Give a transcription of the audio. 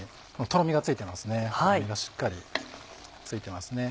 とろみがしっかりついてますね。